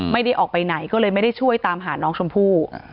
ไม่ได้ออกไปไหนก็เลยไม่ได้ช่วยตามหาน้องชมพู่